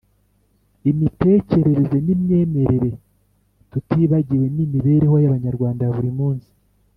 imitekerereze n’imyemerere tutibagiwen’imibereho y’abanyarwanda ya buri munsi